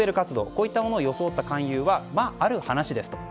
こういったものを装った勧誘はある話ですと。